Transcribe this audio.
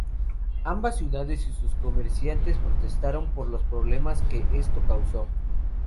Ambas ciudades y sus comerciantes protestaron por los problemas que esto causó.